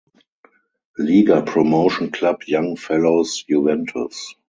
Liga Promotion club Young Fellows Juventus.